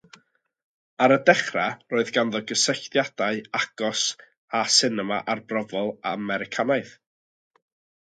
Ar y dechrau roedd ganddo gysylltiadau agos â sinema arbrofol Americanaidd.